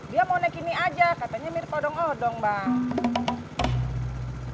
dia mau naik ini aja katanya mirip odong odong bang